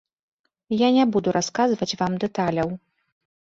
Я не буду расказваць вам дэталяў.